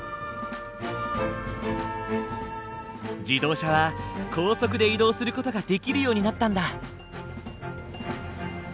自動車は高速で移動する事ができるようになったんだ。